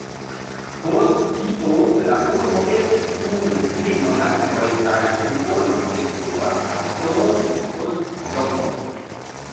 Post tio la urbo estis dum tri monatoj kaj duono detruata dom' post domo.